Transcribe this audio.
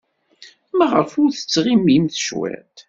Maɣef ur tettɣimimt cwiṭ?